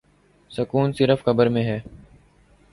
سکون صرف قبر میں ہے